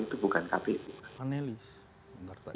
itu bukan kpu